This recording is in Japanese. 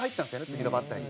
次のバッターに。